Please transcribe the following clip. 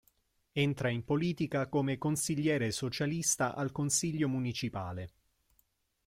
Entra in politica come consigliere socialista al consiglio municipale.